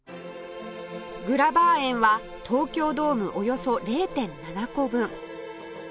グラバー園は東京ドームおよそ ０．７ 個分